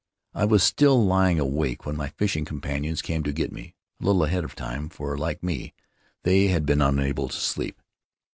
I was still lying awake when my fishing companions came to get me; a little ahead of time, for, like me, they had been unable to sleep.